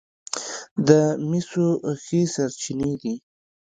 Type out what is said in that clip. د مسو ښې سرچینې دي.